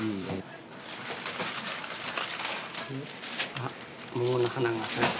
あっ桃の花が咲いた。